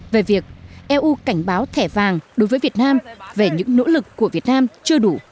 về việc eu cảnh báo thẻ vàng đối với việt nam về những nỗ lực của việt nam chưa đủ